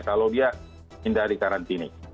kalau dia tidak di karantini